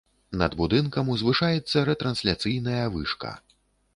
Над будынкам узвышаецца рэтрансляцыйная вышка.